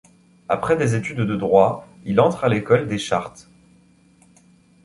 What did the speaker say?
Après des études de droit, il entre à l'École des chartes.